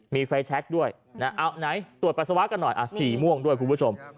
มีไฟแชคด้วยนะเอาไหนตรวจปัสสาวะกันหน่อยสีม่วงด้วยคุณผู้ชม